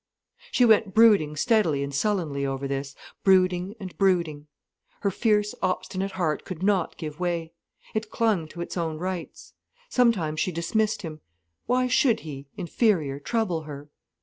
She went brooding steadily and sullenly over this, brooding and brooding. Her fierce, obstinate heart could not give way. It clung to its own rights. Sometimes she dismissed him. Why should he, inferior, trouble her?